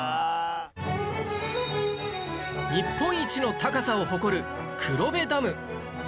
日本一の高さを誇る黒部ダム